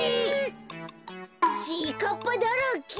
ちぃかっぱだらけ。